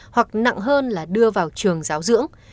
hoặc nặng hơn là đưa vào trường giáo dưỡng